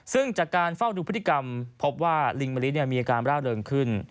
ซึ่งจากการเฝ้าดูพฤติกรรมพบว่าลิงมะลิมีอาการร่าเริงขึ้น